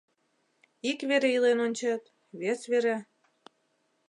Ик вере илен ончет, вес вере...